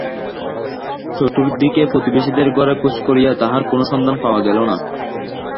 চতুর্দিকে প্রতিবেশীদের ঘরে খোঁজ করিয়া তাহার কোনো সন্ধান পাওয়া গেল না।